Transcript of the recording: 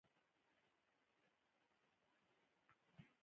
دا د بې واکو پرګنو خپل کلتور و.